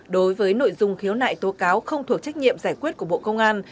đối với nội dung khiếu nại tố cáo không thuộc trách nhiệm giải quyết của bộ công an